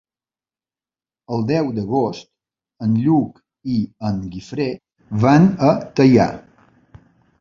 El deu d'agost en Lluc i en Guifré van a Teià.